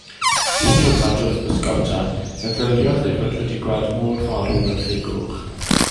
Un diwrnod wrth bysgota, meddyliodd ei fod wedi gweld môr-forwyn wrth ei gwch.